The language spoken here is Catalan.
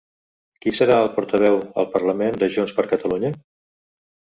Qui serà la portaveu al parlament de Junts per Catalunya?